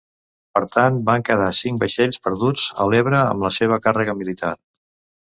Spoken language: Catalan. Per tant, van quedar cinc vaixells perduts a l'Ebre amb la seva càrrega militar.